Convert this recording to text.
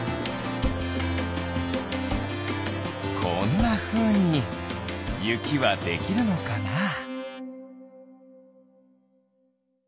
こんなふうにゆきはできるのかな？